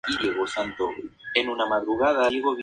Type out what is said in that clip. Fue Director del penal de las Islas Marías.